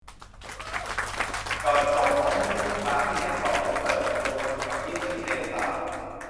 จอดส่งรถให้ลูกค้าที่เลนสอง และเปิดประตูคนขับยื่นมาที่เลนสาม !